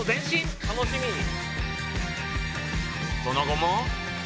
その後も